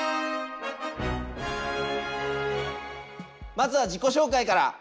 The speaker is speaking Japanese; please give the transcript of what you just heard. まずは自己紹介から。